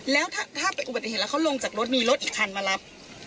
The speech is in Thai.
แล้วถ้าเป็นอนักอกลุ่มอุบัติเหตุและเขาลงจากรถมีเป็นรถอีกภัณฑ์มารับ